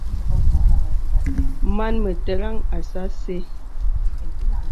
Mān mə tə̀rən asà asə́.